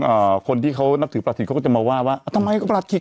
อ่าคนที่เขานับถือประสิทธิเขาก็จะมาว่าว่าทำไมประหลัคคิก